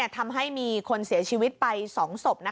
ทำให้มีคนเสียชีวิตไป๒ศพ